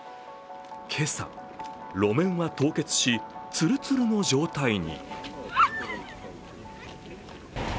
今朝、路面は凍結し、ツルツルの状態に。